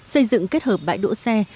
xây dựng kết hợp bãi đỗ xe